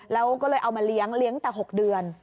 แล้วก็เลยเอามาเลี้ยงเลี้ยงแต่๖เดือน